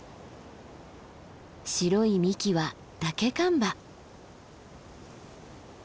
白い幹はダケカンバ。